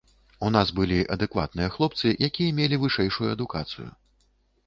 У нас былі адэкватныя хлопцы, якія мелі вышэйшую адукацыю.